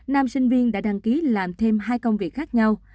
nam sinh viên đã đăng ký làm thêm hai công việc khác nhau